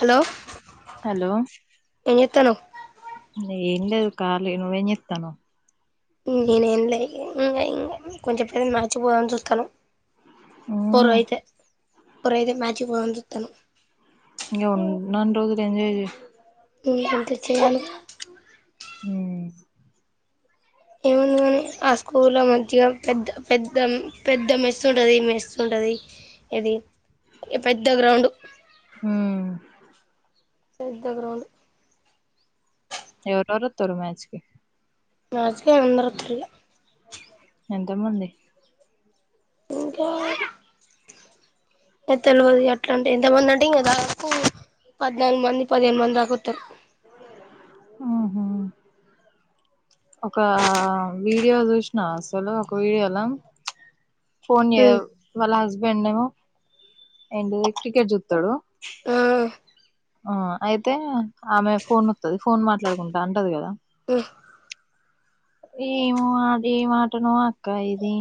Hello hello ఎం చేత్తనవ్ ఏం లేదు కలీ నువ్వు ఎం చేత్తనవ్ నేనేం లే ఇంగ ఇంగ కొంచెం పే అయినాక మ్యాచ్ కు పోదమని చూస్తానం పొర్ మ్మ్ అయితే పొర్యితే మ్యాచిక్ పోదాం అని సూత్తనం ఇగ ఉన్నా అన్ని రోజులు ఎంజాయ్ చేయ్ ఇంకెంత చేయాలి మ్ ఏముంది కాని ఆ స్కూల్ ల మంచిగా పెద్ద పెద్ద పెద్ద మెస్తుంటది ఈ మెస్తుంట ది అది పెద్ద గ్రౌండ్ మ్మ్ పెద్ద గ్రాౌండ్ ఎవరేవరు వస్తారు మ్యాచ్కి మ్యాచ్ కి అందరు వస్తారు ఇగ ఎంతమంది ఇంకాే ఇగ తెలువదు అట్లా అంటే ఎంతమంది అంటే ఇంగ దాదాపు పద్నాలుగు మంది పదిహేను మంది దాక ఓత్తరు మ్ హూ ఒక్క వీడియో చూసినవా అసలు ఒక వీడియో ల ఫోన్ చే ఉమ్ వాళ్ళ హస్బెండ్ నేమో ఎంటిది క్రికెట్ చూత్తడు ఆ ఆ అయితే ఆమె ఫోన్ ఒత్తది ఫోన్ మాట్లాడుకుంటా అంటది కదా ఉమ్ ఏమో అదెమాటనో అక్క ఇది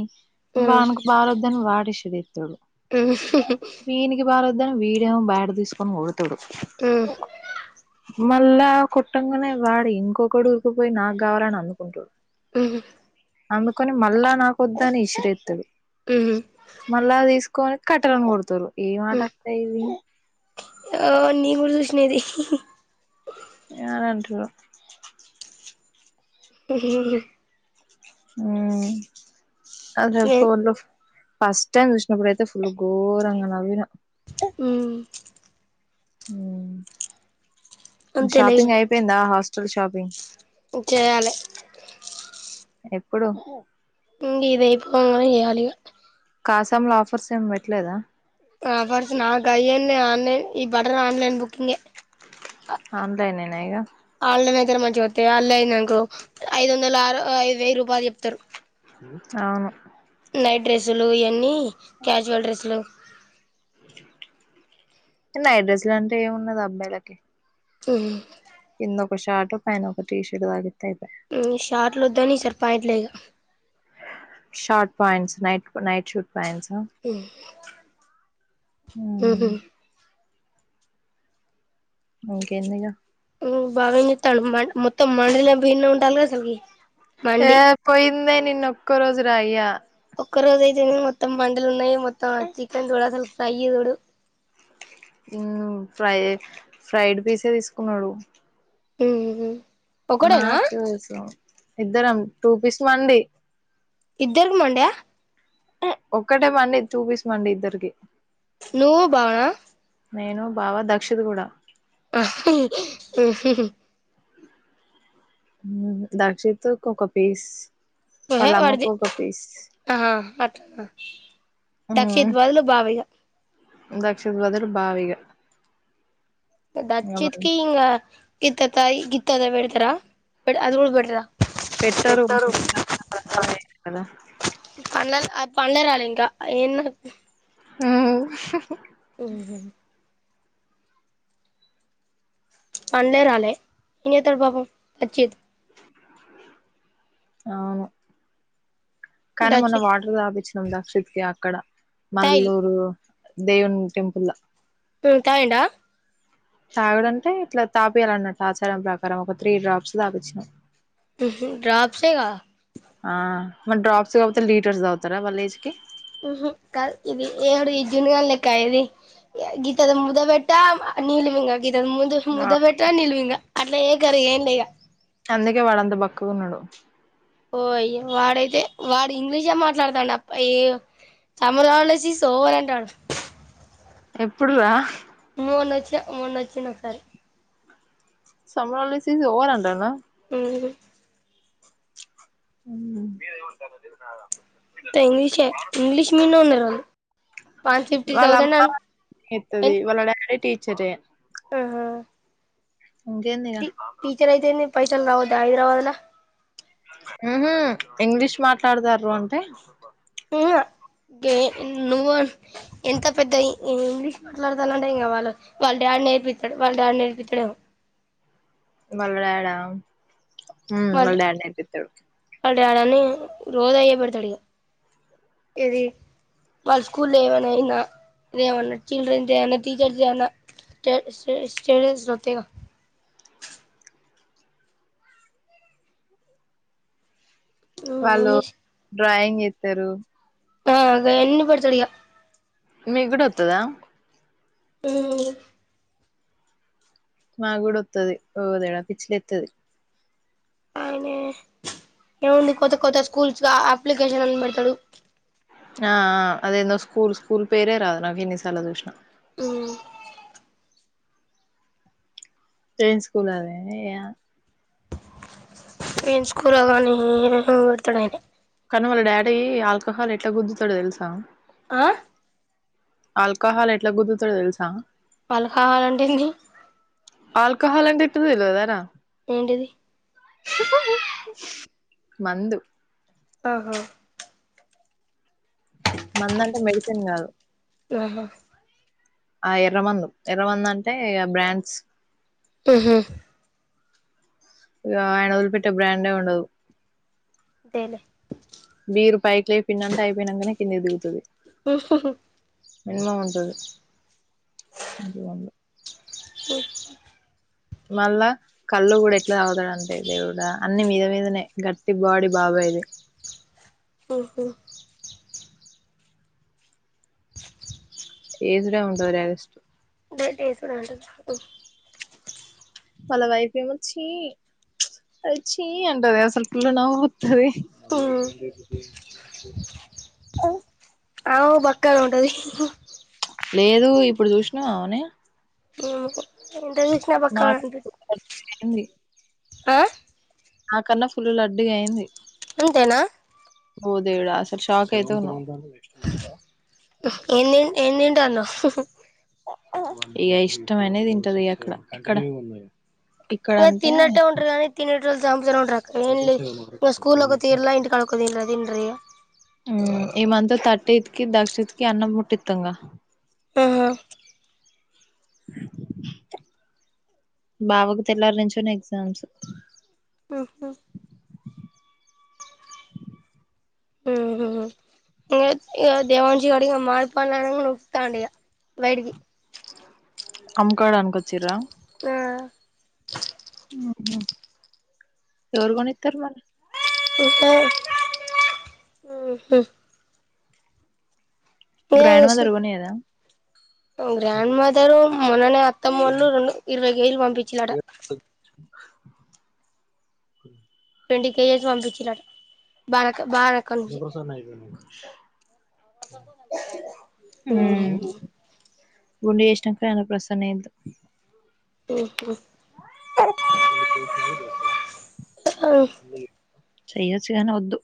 ఉమ్ వానికి బాలొద్దని వాడిస్ రేత్తడు ఉమ్ ఒద్దని వీడేమో బ్యాట్ తీసుకొని కొడుతడు ఉమ్ మళ్ళా కొట్టంగనే వాడు ఇంకొకడు ఊరికిపోయి నాగ్గావాలని అందుకుంటు [unintelligible] అందుకొని మళ్ళా నాకు ఒద్దని ఇసిరెత్తడు ఉహు మళ్ళా తీసుకొని కట్టెలని కొడతరు ఏం ఆట అక్క ఇది ఆ నేను గుడ చూసిన ఇది అని అంటారు [unintelligible] మ్ అదే ఫోన్లో ఫస్ట్ టైం చూసినప్పుడైతే ఫుల్ గోరంగ నవ్వినా మ్ మ్ అంతేలే షాపింగ్ అయిపోయిందా హాస్టల్ షాపింగ్ చేయాలి ఎప్పుడు ఇంగ ఇదయిపోగానే చేయాలిగా కాసాం లో ఆఫర్స్ ఏమ్ పెట్లేదా ఆఫర్స్ నా కయన్ని ఆన్లైన్ ఈ బటల్ ఆన్లైన్ బుకింగే ఆన్లైనేనా ఇగ జర మంచిగొత్తయ్ ఆన్లైన్ అంకో ఐదు వందల ఆరు వెయ్యరూపాల్ చెప్తారు అవును నైట్ డ్రస్సులు ఇయన్నీ క్యాజువల్ డ్రస్సులు నైట్ డ్రసులంటే ఏమున్నది అబ్బాయిలకి మ్ కిందొక షార్ట్ పైన్ ఒక టీషర్ట్ తగిలితే అయిప్ షార్ట్లు ఒద్దని ఇసారి పాయింట్లే ఇగ short pants night night shoot pants మ్ మ్ హూ ఇంకేందిగ మ్ బావేం చేత్తాండు మొత్తం మండీలే ఏ పోయిందే నిన్నోక్క రోజురా అయ్యా ఒక్క రోజు అయితేంది మొత్తం మండీలున్నయి మొత్తం చికెన్ చూడు అసలు ఫ్రై చూడు మ్ ఫ్రై ఫ్రైడ్ పీసే తీసుకున్నడు మ్మ్ నాకోసం ఇద్దరం టూ పీస్ మండీ ఇద్దరికి మండి ఆ ఒక్కటేమండి టూ పీస్ మండి ఇద్దరికి నువ్వు బావనా నేను బావా దక్షిత్ కూడా [unintelligible] దక్షిత్ కొక్క పీస్ ఓహే వాలమ్మకు ఒక పీస్ ఆహ దక్షిత్ బదులు బావిగ క్షిత్ బదులు బావిగ దచ్చిత్కి హింగ గిత్త తాయ్ గిత్తంత పెడతార బట్ అది గూడా పేట్రా పెట్టరు అట్లనే కదా [inaudible] పండరాలింకా ఏన్నా ఓ ఉ పన్లె రాలే ఎం చెత్తడు పాపం వచ్చి అవును కానీ మొన్న దక్షిత్ వాటర్ దాపిచ్చినాం దక్షిత్ కి అక్కడ తాగిల్ మల్లూరు దేవున్ టెంపుల ఉమ్ కైండ తాగడంటే ఇట్లా తాపియాలన్నాట్టు ఆచారం ప్రకారం ఒక త్రీ డ్రాప్స్ తాపిచ్చిన ఉహు డ్రాప్స్సేగా ఆ మరి డ్రాప్స్ కాపోతే లీటర్స్ తాగుతారా వాళ్ళ ఏజ్ కి ఇది ఎవడు ఈ జున్నుగానిలేక్క ఇది గీతది ముద్దవెట్ట నీలి వింగ గీతది ముందు ముద్ద పెట్ట నిల్ మింగ అట్ల చేయకర్రి ఎయ్యర్రి ఇంగ అందుకే వాడంత బక్కగా ఉన్నాడు ఓయ వాడైతే వాడు ఇంగ్లీషే మాట్లాడతాండు అప్ప ఎ సమ్మర్ హాలిడేస్ ఇస్తా ఓవర్ అంటాండు ఎప్పుడు రా మూన్నొచ్చి మూన్నొచ్చిన్ది ఒకసారి సమ్మర్ హాలిడేస్ ఇస్ ఓవర్ అంటాండా ఉహు ఉహు ఇంగ్లీషే ఇంగ్లీష్ మీదనే ఉన్నారు వాళ్ళు వన్ ఫిఫ్టీ వాళ్ళ థౌజండ్ అమ్మ అను చెత్తది వాళ్ళ డాడీ టీచరే అహ ఇంకేంది ఇగ టి టీచర్ అయితేంది పైసల్ రావొద్దా హైదరాబాద్ల ఉహు ఇంగ్లీష్ మాట్లాడతారు అంటే ఏ కె నువ్వు ఎంత పెద్ద ఇంగ్లీష్ మాట్లాడతానవంటే ఇంకా వాళ్ళు వాళ్ళ డాడీ నేర్పితాడు వాళ్ళ డాడీ నేర్పితడేమో వల్ల డాడ్ ఆ ఉ వల్ల డాడ్ నేర్పితాడు డాడ్ అని రోజ్ అయ్యే పెడతాడు ఇగ వాళ్ళ స్కూల్లో ఏమైనా ఇంగ ఇదేమన్నా చిల్డ్రన్స్ డే అయిన టీచర్స్ డే ఐన స్టేట్ స్టే స్టేటస్ లు వత్తాయిగా వాళ్ళు ఉహు డ్రాయింగ్ ఇత్తరు ఆ అదె అన్ని పెడతాడు ఇగ మీ కూడా వతదా ఊ మాగూడొత్తది ఓదేవుడా పిచ్చి లేత్తది ఆయనే ఏముంది కొత్త కొత్త స్కూల్స్గా అప్లికేషన్ అన్ పెడతాడు ఆ అదేందో స్కూల్ స్కూల్ పేరే రాదు నాకు ఎన్ని సార్లు జుషిన ఊ ట్రైన్ స్కూల్ద పెన్ స్కూలో కాని పెడతాడయన కానీ వాళ్ళ డాడీ ఆల్కహాల్ ఎట్లా గుద్దుతాడో తెల్సా ఆ అల్కాహాల్ ఎట్లా గుద్దుతాడో తెల్సా ఆల్కాహలంటేంది ఆల్కహాల్ అంటే ఏంటో తెలువదారా ఏంటిది మందు అహ మంద అంటే మెడిసిన్ కాదు ఆహా ఆ ఎర్ర మందు ఎర్ర మంద అంటే బ్రాండ్స్ మ్ హు ఇగ ఆయనోదిల్పెట్ట బ్రాడ్ే ఉండదు తెలే బీరు పైకి లేపిండు అంటే అయిపోయినంకానే కిందికి దిగితది ఉహుహు మినిమమ్ ఉంటది మ్ మళ్ళా కళ్ళు కూడా ఎట్లా తాగుతాడుంటే దేవుడా అన్ని మీద మీదనే గట్టి బాడీ బాబ య్ ది మ్ హు ఏసుడే ఉంటది డైరెక్ట్ ేట్సుడాంట వాళ్ళ వైఫ్ ఏమో చ్చి అది చీ అంటది అసలు ఫుల్లు నవ్ తది ఉమ్ ఆమే కుడా బక్కగానే ఉంటది లేదు ఇప్పుడు చూసినావా అమేని ఏమో ఎంత చుసిన బక్కనే ఆని అయింది ఆ నాకన్నా ఫుల్లులడ్డుగా అయింది అంతెనా ఓదేవుడా అసలు శాక్ అయితవ్ నువ్ ఎం తిం ఎం తింటాందో ఇగ ఇష్టమైనై తింటది ఇగ అక్కడ ఇక్కడ ఇక్కడ ఏ అంటే తిన్నట్టే ఉంటరు కని తినేటోల్ సామ్ముతనే ఉంటారు అక్క ఇగ స్కూల్ ల ఒక తీర్ల ఇంటికడ ఒక తీర్ల తింటారు ఇగ మ్ ఈ మంత థర్టీత్ కి దక్షిణిత్ కి అన్నం ముట్టిత్తంగా ఆహా [inaudible] బావకు తెల్లారి నుంచెని ఎగ్జామ్స్ మ్ హు మ్ హు ఇగ ఇగ దేవాన్షి గాడు మామిడి పండ్లు అనంగానే ఊరుకుతాండు ఇగ బయటికి అమ్ముకోడానికి కోచ్చిర్ర ఆ మ్ హు ఎవరు కొనిత్తరు మరే ఇంకా మ్ హు గ్రాండ్ మదర్ కొనియదా గ్రాండ్ మదరు మొన్ననే అత్తమ్మోళ్ళు రెండు ఇరవై కేజీలు పంపించ్చిళ్ళట ట్వంటీ కేజస్ పంపిచ్చిండట బాల అన్నప్రసాన అయిపోయినాంక మ్ గుండె చేష్నాంక ఆయన ప్రసన్న ఇద్దు ఓహొ ప ఎందుకేడ్చినావో [inaudible] ముందే చెప్తున్నా చెయ్యొచ్చు గాని వద్దు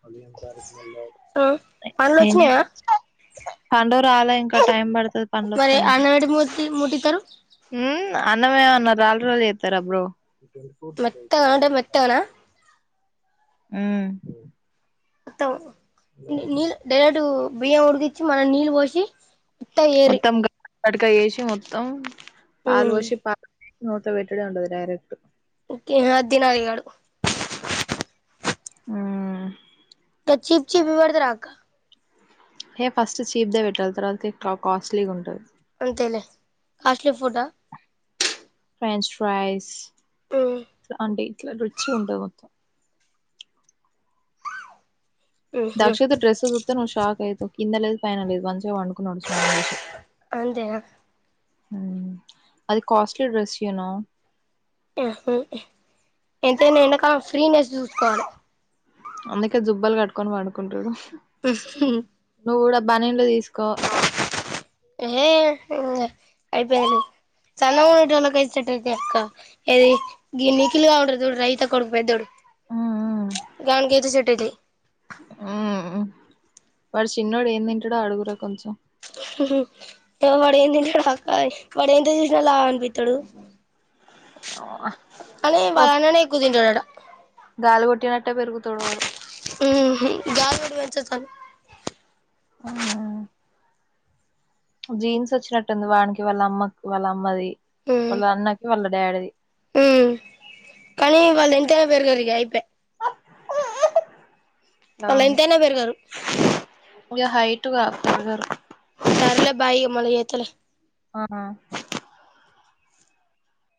ప త పండ్లు ఎ వచ్చినాయా [unintelligible] పండు రాలె ఇంకా టైమ్ పడుద్ సరే అన్నవడ్డీ మూర్తి మూటికరు హు అన్నం ఏమేన్నా రాళ్ళుతో చేత్తార బ్రో మెత్తగా అంటే మెత్తగనా మ్ మొత్తం నీళ్ డైరెక్ట్ బియ్యం ఉడికిచ్చి మనం నీళ్ళు పోసి త్తయేరి కడకా వేసి మొత్తం పాలు పోసి పాలు నోట్లో పెట్టుడే ఉంటది డైరెక్ట్ ఓకే ఇగ అద్దినడిగడు మ్ ఇక చీప్ చీపియ్ పెడతరా అక్క ఏ ఫస్ట్ చీప్దే పెట్టాలి తర్వాత కాస్ట్లీగుంటది అంతేలే కాస్ట్లీ ఫుడ్డా ఫ్రెంచ్ ఫ్రైస్ ఉమ్ అంటే ఇట్లా రిచ్గుంటది మొత్తం ఉహు దక్షిత డ్రెస్ జూత్తే నువ్ షాక్ అయితవ్ కింద లేదు పైన లేదు వన్స్ చిగా పండుకున్నాడు స్నానం జేసి అంతేనా హు అది కాస్ట్లీ డ్రెస్ యూనో ఆ ఎంతైనా ఎండాకాలం ఫ్రీనెస్ చూసుకోవాలె అందుకే జుబ్బాలు కట్టుకొని పడుకుంటాడు [unintelligible] బనిన్లు తీస్ ఎహె ఇంగ అయిపోయినయ్ సన్నగుండేటోళ్ళకైతే సెట్టాయితయక్క ఏది గి నిఖిల్గాడుంటాడు చుడు రైత కొడుకు పేద్దొడు ఉమ్, గానికైతే సెట్ అయితయ్ మ్ వాడు చిన్నోడు ఏం తింటాడో అడుగురా కొంచెం [unintelligible] వడ ఎం తింటాడు అక్క వాడు ఎంత చూసినా లావనిపిత్తాడు ఆ [unintelligible] అనీ వాళననే మొత్తం ఎక్కువ తింటడట గాలి కొట్టినట్టే పెరుగుతాడు వాడు గాలి కొట్టిపెంచోచ్చు వాణి ఉమ్. జీన్స్ వచ్చినట్టుంది వానికి వాళ్ళ అమ్మ వాళ్ళ అమ్మది ఉమ్ వాళ్ళ అన్నకి వాళ్ళ డాడిది పెరగరిగా అయిపాయె వాళ్ళు అవును ఎంతైనా పెరగరు ఇగ హైటుగా పెరగరు సర్లే బాయిగా మల్లా జేత్తాలే ఆ